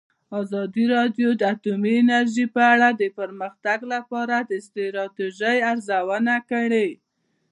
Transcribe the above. ازادي راډیو د اټومي انرژي په اړه د پرمختګ لپاره د ستراتیژۍ ارزونه کړې.